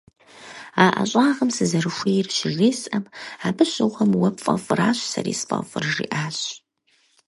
А ӀэщӀагъэм сызэрыхуейр щыжесӀэм, «абы щыгъуэм уэ пфӀэфӀращ сэри сфӀэфӀыр» жиӀащ.